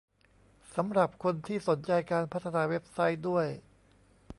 สำหรับคนที่สนใจการพัฒนาเว็บไซต์ด้วย